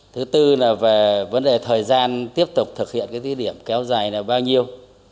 thứ tư là về vấn đề thời gian tiếp tục thực hiện cái thí điểm kéo dài là bao nhiêu